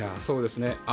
そうですね。